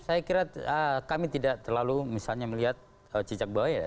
saya kira kami tidak terlalu misalnya melihat cicak buaya